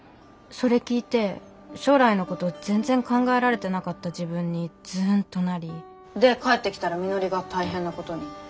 それ聞いて将来のこと全然考られてなかった自分にズンとなりで帰ってきたらみのりが大変なことに。